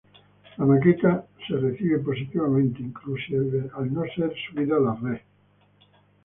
La maqueta es recibida positivamente inclusive al no ser subida en la red.